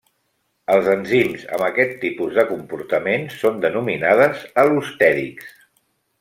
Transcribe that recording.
Els enzims amb aquest tipus de comportament són denominades al·lostèrics.